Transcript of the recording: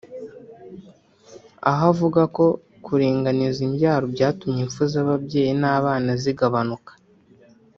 Aho avuga ko kuringaniza imbyaro byatumye impfu z’ababyeyi n’abana zigabanuka